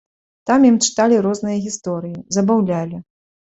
Там ім чыталі розныя гісторыі, забаўлялі.